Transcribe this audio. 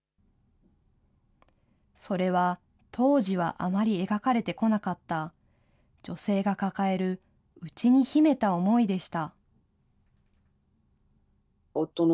それは当時はあまり描かれてこなかった、女性が抱えるうちに秘めた思いでした。